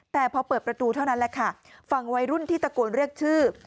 แต่พอเปิดประตูเท่านั้นแหละค่ะฝั่งวัยรุ่นที่ตะโกนเรียกชื่อ